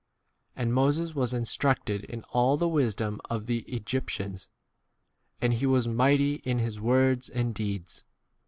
And Moses was instructed in all [the] wisdom of the Egyp tians, and he was mighty in his a 23 words and deeds.